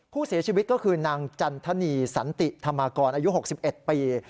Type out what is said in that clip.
ผู้เสียชีวิตก็คือนางจันทนีสันติธรรมากรอายุ๖๑ปี